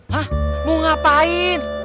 hah mau ngapain